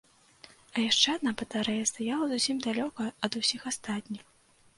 А яшчэ адна батарэя стаяла зусім далёка ад усіх астатніх.